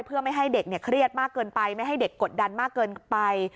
เพื่อไม่ให้เด็กเครียดมากเกินไปไม่ให้เด็กกดดันมากเกินไป